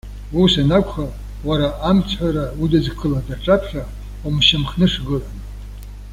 Ус анакәха, уара амцҳәара удызкылаз рҿаԥхьа умшьамхнышгылан.